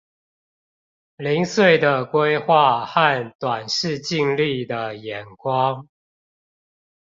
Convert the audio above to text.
零碎的規畫和短視近利的眼光